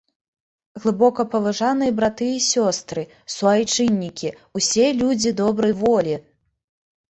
Глыбокапаважаныя браты і сёстры, суайчыннікі, усе людзі добрай волі!